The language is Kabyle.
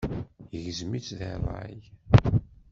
Yegzem-itt deg ṛṛay.